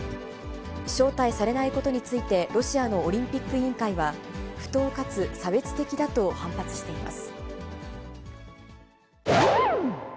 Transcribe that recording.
招待されないことについて、ロシアのオリンピック委員会は、不当かつ差別的だと反発しています。